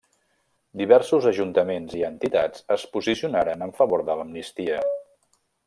Diversos ajuntaments i entitats es posicionaren en favor de l'amnistia.